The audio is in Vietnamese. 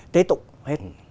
tế tụng hết